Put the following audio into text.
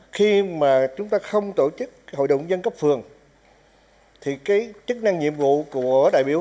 khi mà chúng ta không tổ chức hội đồng dân cấp phường thì cái chức năng nhiệm vụ của đại biểu